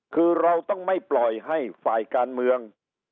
คือเราต้องไม่ปล่อยให้ฝ่ายการเมือง